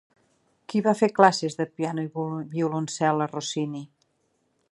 Quin va fer classes de piano i violoncel a Rossini?